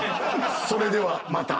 それではまた。